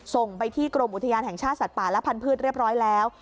ส่งไปที่กรมอุทยานแห่งชาติสัตว์ป่าและพันธุ์เรียบร้อยแล้ว